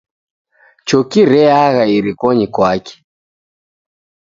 Choki reagha irikonyi kwake.